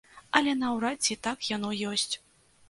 Але наўрад ці так яно ёсць.